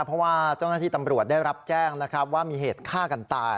เพราะว่าเจ้าหน้าที่ตำรวจได้รับแจ้งนะครับว่ามีเหตุฆ่ากันตาย